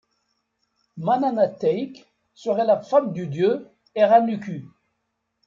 Manana Take serait la femme du dieu Era Nuku.